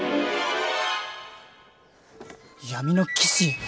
闇の騎士？